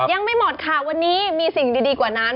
ยังไม่หมดค่ะวันนี้มีสิ่งดีกว่านั้น